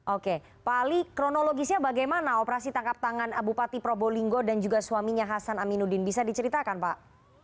oke pak ali kronologisnya bagaimana operasi tangkap tangan bupati probolinggo dan juga suaminya hasan aminuddin bisa diceritakan pak